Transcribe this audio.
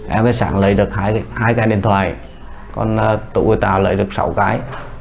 em với sảng lấy được hai cái điện thoại còn tụ với tào lấy được sáu cái